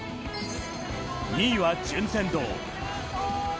２位は順天堂。